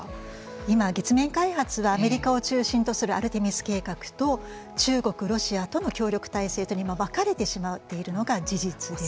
今月面開発はアメリカを中心とするアルテミス計画と中国ロシアとの協力体制とに分かれてしまっているのが事実です。